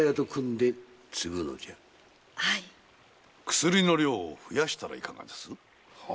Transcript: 薬の量を増やしたらいかがです？